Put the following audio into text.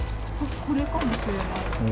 これかもしれない。